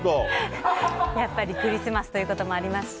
やっぱりクリスマスということもありますし